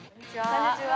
こんにちは